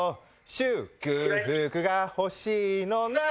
「祝福が欲しいのなら」